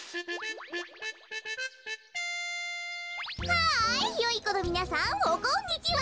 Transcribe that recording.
ハイよいこのみなさんおこんにちは。